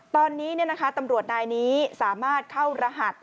ตอนนี้ตำรวจนายนี้สามารถเข้ารหัส